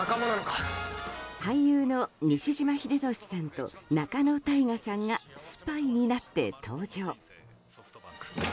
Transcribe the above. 俳優の西島秀俊さんと仲野太賀さんがスパイになって登場。